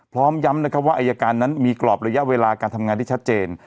พร้อมย้ำนะครับว่าอายการนั้นมีกรอบระยะเวลาการทำงานที่ชัดเจน